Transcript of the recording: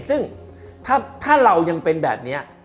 ซึ่งถ้าเรายังเป็นแบบนี้